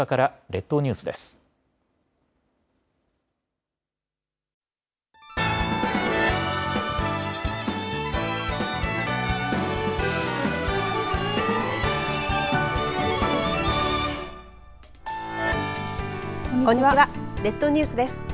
列島ニュースです。